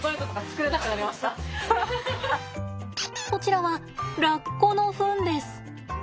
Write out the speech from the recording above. こちらはラッコのフンです。